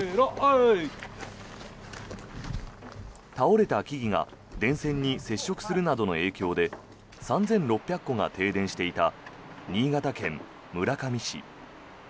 倒れた木々が電線に接触するなどの影響で３６００戸が停電していた新潟県村上市。